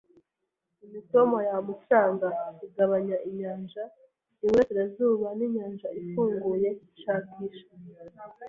imitoma yumucanga igabanya inyanja iburasirazuba ninyanja ifunguye, shakisha